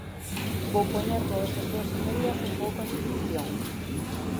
Vou poñer todas as súas señorías un pouco en situación.